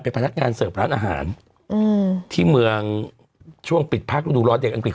พนักงานเสิร์ฟร้านอาหารอืมที่เมืองช่วงปิดพักฤดูร้อนเด็กอังกฤษ